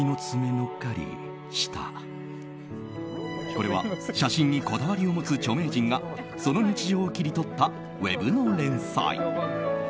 これは写真にこだわりを持つ著名人がその日常を切り取ったウェブの連載。